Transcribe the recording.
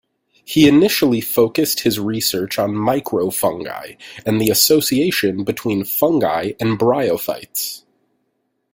He initially focused his research on microfungi and the association between fungi and bryophytes.